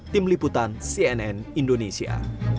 tim liputan cnn indonesia